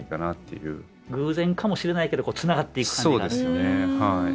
偶然かもしれないけどつながっていく感じがあると。